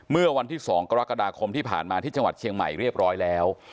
เมื่อวันที่๒กรกฎาคมที่ผ่านมาที่จังหวัดเชียงใหม่เรียบร้อยแล้ว